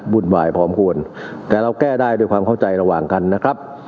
ุ่นวายพร้อมควรแต่เราแก้ได้ด้วยความเข้าใจระหว่างกันนะครับ